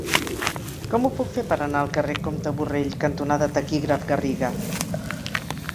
Com ho puc fer per anar al carrer Comte Borrell cantonada Taquígraf Garriga?